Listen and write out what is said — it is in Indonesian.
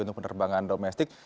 untuk penerbangan domestik